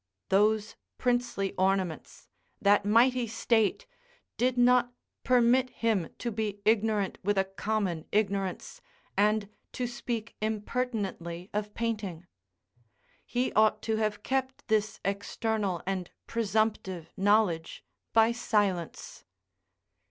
Those princely ornaments, that mighty state, did not permit him to be ignorant with a common ignorance, and to speak impertinently of painting; he ought to have kept this external and presumptive knowledge by silence.